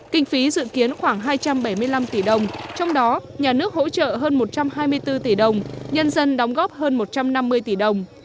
kinh phí dự kiến khoảng hai trăm bảy mươi năm tỷ đồng trong đó nhà nước hỗ trợ hơn một trăm hai mươi bốn tỷ đồng nhân dân đóng góp hơn một trăm năm mươi tỷ đồng